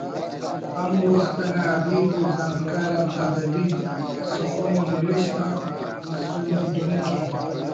ہم وخت انا ادیب و زانتکار آتا ادبی سخن و نوشت آک مسنو دن کہ